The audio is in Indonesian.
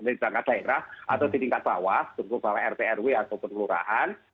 di tengah daerah atau di tingkat bawah tunggu tunggu rt rw atau penelurahan